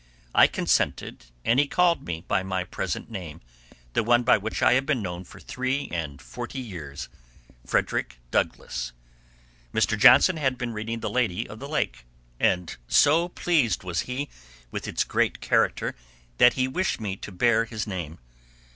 I consented, and he called me by my present name—the one by which I have been known for three and forty years—Frederick Douglass. Mr. Johnson had just been reading the "Lady of the Lake," and so pleased was he with its great character that he wished me to bear his name.